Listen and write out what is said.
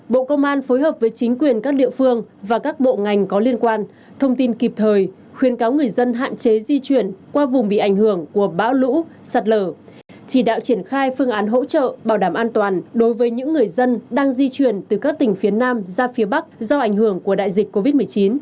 bộ công an phối hợp với chính quyền các địa phương và các bộ ngành có liên quan thông tin kịp thời khuyến cáo người dân hạn chế di chuyển qua vùng bị ảnh hưởng của bão lũ sạt lở chỉ đạo triển khai phương án hỗ trợ bảo đảm an toàn đối với những người dân đang di chuyển từ các tỉnh phía nam ra phía bắc do ảnh hưởng của đại dịch covid một mươi chín